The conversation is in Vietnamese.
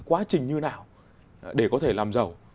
một quá trình như thế nào để có thể làm giàu